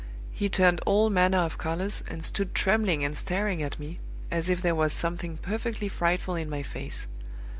He turned all manner of colors, and stood trembling and staring at me, as if there was something perfectly frightful in my face.